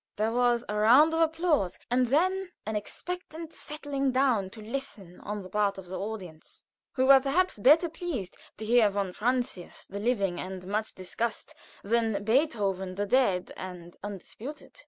There was a round of applause, and then an expectant settling down to listen on the part of the audience, who were, perhaps, better pleased to hear von Francius the living and much discussed than Beethoven the dead and undisputed.